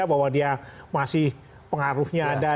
bahwa dia masih pengaruhnya ada